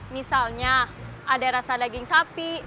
misalnya ada rasa daging sapi